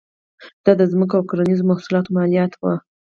دا د ځمکو او کرنیزو محصولاتو مالیات وې.